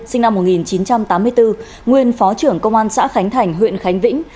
sinh năm một nghìn chín trăm tám mươi bốn nguyên phó trưởng công an xã khánh thành huyện khánh vĩnh